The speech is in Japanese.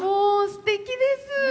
すてきです。